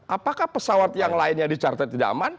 apakah pesawat yang lainnya di charter tidak aman